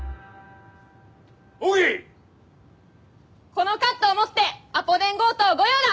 このカットをもって『アポ電強盗御用だ！』